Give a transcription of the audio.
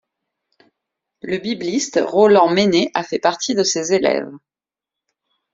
Le bibliste Roland Meynet a fait partie de ses élèves.